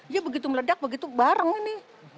ya begitu meledak begitu bareng ini